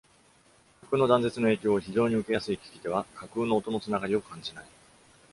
架空の断絶の影響を非常に受けやすい聞き手は、架空の音の繋がりを感じない。